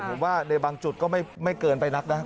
ผมว่าในบางจุดก็ไม่เกินไปนักนะ